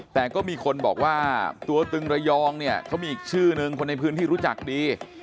แต่ก็มีคนบอกว่าตัวตึงระยองเนี่ยเขามีอีกชื่อนึงคนในพื้นที่รู้จักดี